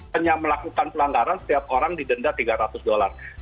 hanya melakukan pelanggaran setiap orang didenda tiga ratus dolar